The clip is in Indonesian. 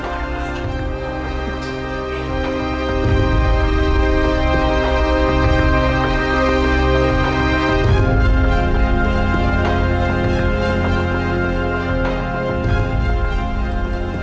kami akan mencoba untuk mencoba